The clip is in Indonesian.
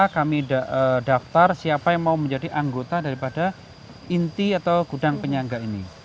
kami daftar siapa yang mau menjadi anggota daripada inti atau gudang penyangga ini